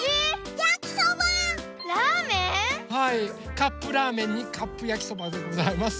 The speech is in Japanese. カップラーメンにカップやきそばでございます。